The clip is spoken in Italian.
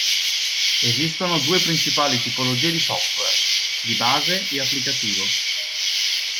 Esistono due principali tipologie di software: di base e applicativo.